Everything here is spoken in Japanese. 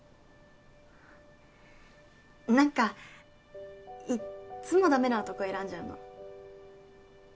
なんかいっつもダメな男選んじゃうの。